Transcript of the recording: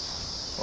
あ。